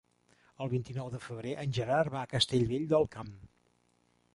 El vint-i-nou de febrer en Gerard va a Castellvell del Camp.